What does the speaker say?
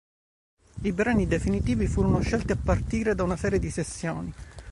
I brani definitivi furono scelti a partire da una serie di sessioni.